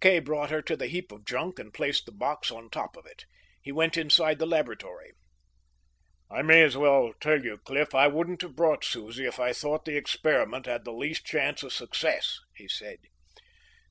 Kay brought her to the heap of junk and placed the box on top of it. He went inside the laboratory. "I may as well tell you, Cliff. I wouldn't have brought Susie if I'd thought the experiment had the least chance of success," he said.